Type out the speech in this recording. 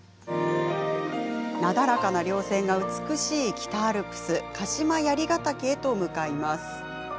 なだらかなりょう線が美しい北アルプス鹿島槍ヶ岳へと向かいます。